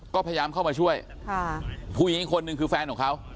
ก็พยายามเข้ามาช่วยผู้หญิงอีกคนนึงคือแฟนของเขา